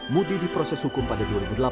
mudi diproses hukum pada dua ribu delapan